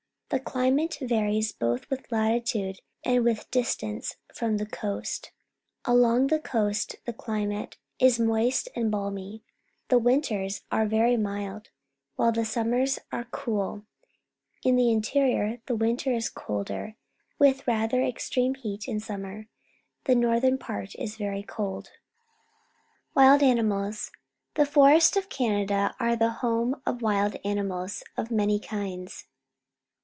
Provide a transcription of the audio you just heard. The climate varies both with latitude and with distance from the coast. Along the coast the climate is moist and balmy. The winters are very mild, while the summers Orchards, Southern British Columbia are cool. In the interior the winter is colder, with rather extreme heat in summer. The northern part is very cold. Wild Animals. — The forests of Canada are the home of wild animals of many kinds.